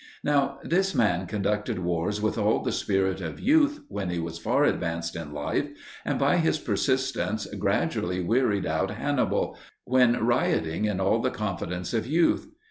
Now this man conducted wars with all the spirit of youth when he was far advanced in life, and by his persistence gradually wearied out Hannibal, when rioting in all the confidence of youth.